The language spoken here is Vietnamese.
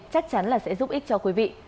chắc chắn là sẽ giúp ích cho quý vị